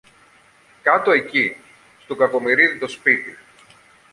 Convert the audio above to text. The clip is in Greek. Κάτω εκεί, στου Κακομοιρίδη το σπίτι